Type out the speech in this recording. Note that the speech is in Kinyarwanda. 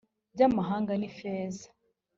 By amahanga ni ifeza